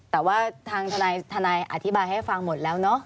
แต่ว่าทางทนายอธิบายให้ฟังหมดแล้วเนอะ